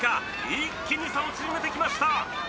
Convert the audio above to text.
一気に差を縮めてきました。